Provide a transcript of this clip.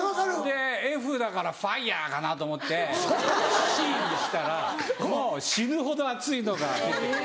でＦだからＦｉｒｅかなと思ってＣにしたらもう死ぬほど熱いのが出てきて。